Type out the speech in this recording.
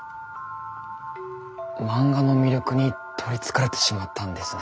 漫画の魅力に取りつかれてしまったんですね。